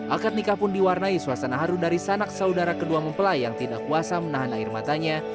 akad nikah pun diwarnai suasana haru dari sanak saudara kedua mempelai yang tidak kuasa menahan air matanya